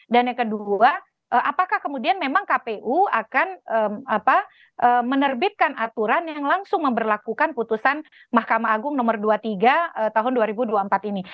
dan yang kedua apakah kemudian memang kpu akan menerbitkan aturan yang langsung memperlakukan putusan mahkamah agung nomor dua puluh tiga tahun dua ribu dua puluh empat ini